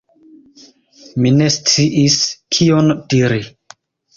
Mi ne sciis, kion diri.